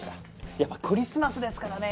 やっぱクリスマスですからね